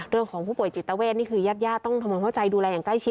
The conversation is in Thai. เรื่องของผู้ป่วยจิตเวทนี่คือญาติญาติต้องทำความเข้าใจดูแลอย่างใกล้ชิด